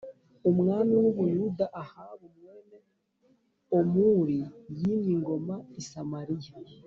umwami w u Buyuda Ahabu mwene Omuri yimye ingoma i Samariya